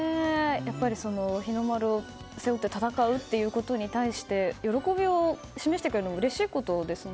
日の丸を背負って戦うということに対して喜びを示してくれるのはうれしいことですよね。